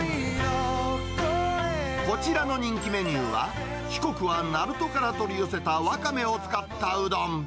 こちらの人気メニューは、四国は鳴門から取り寄せたワカメを使ったうどん。